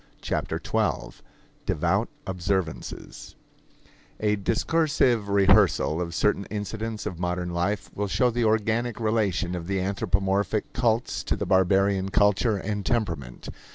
Chapter Twelve ~~ Devout Observances A discoursive rehearsal of certain incidents of modern life will show the organic relation of the anthropomorphic cults to the barbarian culture and temperament.